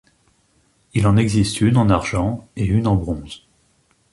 Il en existe une en argent et une en bronze.